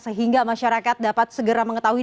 sehingga masyarakat dapat segera mengetahui